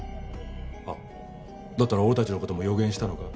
あっだったら俺たちの事も予言したのか？